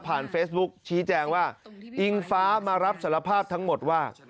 เฟซบุ๊คชี้แจงว่าอิงฟ้ามารับสารภาพทั้งหมดว่า